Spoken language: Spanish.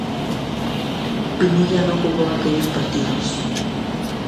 Pinilla no jugó aquellos partidos.